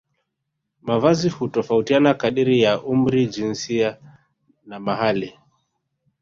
Mavazi hutofautiana kadiri ya umri jinsia na mahali